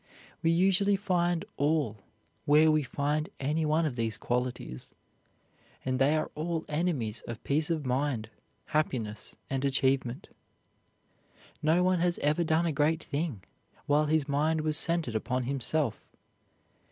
We usually find all where we find any one of these qualities, and they are all enemies of peace of mind, happiness, and achievement. No one has ever done a great thing while his mind was centered upon himself.